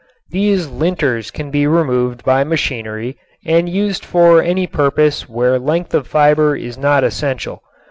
These linters can be removed by machinery and used for any purpose where length of fiber is not essential.